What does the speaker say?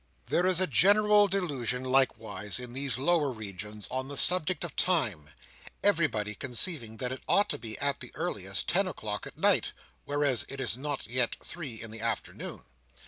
There is a general delusion likewise, in these lower regions, on the subject of time; everybody conceiving that it ought to be, at the earliest, ten o'clock at night, whereas it is not yet three in the afternoon.